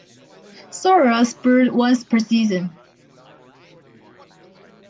Soras brood once per season.